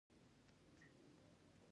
د نیالګیو ترمنځ رشقه کرل زیان لري؟